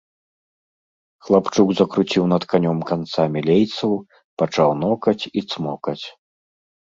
Хлапчук закруціў над канём канцамі лейцаў, пачаў нокаць і цмокаць.